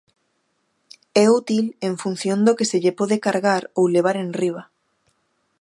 É útil en función do que se lle pode cargar ou levar enriba.